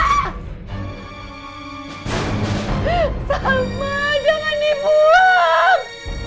salma jangan dibuang